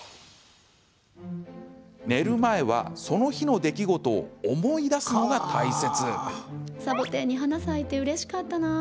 寝る前は、その日の出来事を思い出すのが大切。